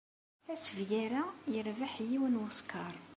Asebgar-a yerbeḥ yiwen n wuskaṛ.